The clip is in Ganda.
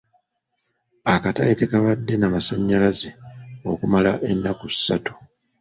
Akatale tekabadde na masanyalaze okumala ennaku ssatu.